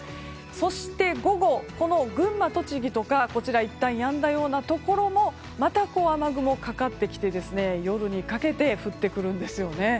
そして、午後、群馬、栃木とかいったんやんだようなところもまた、雨雲がかかってきて夜にかけて降ってくるんですよね。